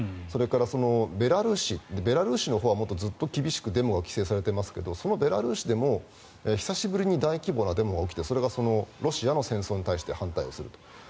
それからベラルーシのほうはもっとずっと厳しくデモが規制されていますがそのベラルーシでも久しぶりに大規模なデモが起きてそれがロシアの戦争に対して反対をすると。